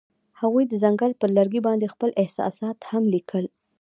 هغوی د ځنګل پر لرګي باندې خپل احساسات هم لیکل.